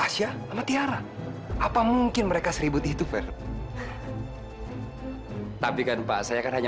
sampai jumpa di video selanjutnya